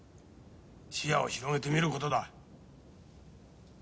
視野を広げてみることだ。